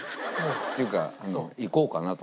っていうか行こうかなと。